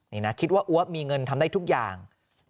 นี่นะคิดว่าอัวมีเงินทำได้ทุกอย่าง